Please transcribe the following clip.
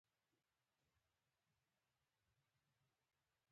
موږ په څو میاشتو یا څو هفتو کې ورته ښودلای شو.